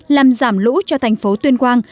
làm giảm lũ cho thành phố tuyên quang